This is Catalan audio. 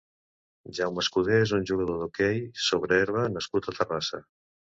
Jaime Escudé és un jugador d'hoquei sobre herba nascut a Terrassa.